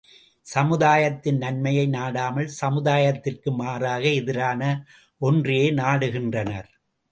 சமுதாயத்தின் நன்மையை நாடாமல் சமுதாயத்திற்கு மாறாக எதிரான ஒன்றையே நாடுகின்றனர்.